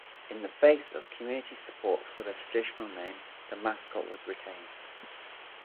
In the face of community support for the traditional name, the mascot was retained.